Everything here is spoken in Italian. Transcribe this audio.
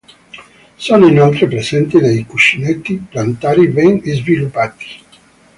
Sono inoltre presenti dei cuscinetti plantari ben sviluppati.